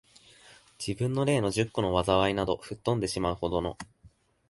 自分の例の十個の禍いなど、吹っ飛んでしまう程の、